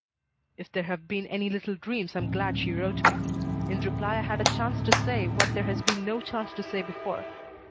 "If there have been any little dreams I'm glad she wrote me. In reply I had a chance to say what there has been no chance to say before.